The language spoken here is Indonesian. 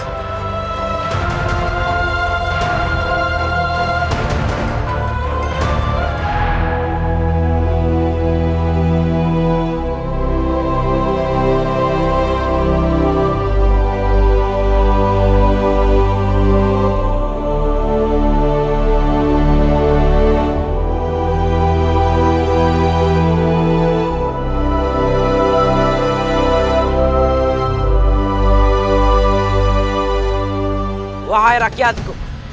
ini aku bangun